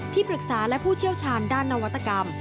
ปรึกษาและผู้เชี่ยวชาญด้านนวัตกรรม